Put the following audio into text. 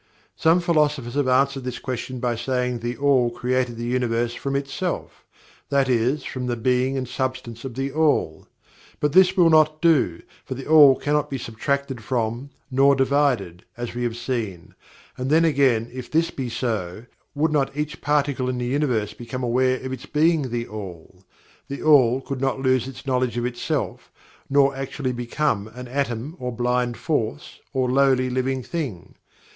Some philosophers have answered this question by saying that THE ALL created the Universe from ITSELF that is, from the being and substance of THE ALL. But this will not do, for THE ALL cannot be subtracted from, nor divided, as we have seen, and then again if this be so, would not each particle in the Universe be aware of its being THE ALL THE ALL could not lose its knowledge of itself, nor actually BECOME an atom, or blind force, or lowly living thing.